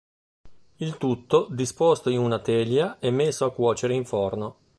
Il tutto disposto in una teglia e messo a cuocere in forno.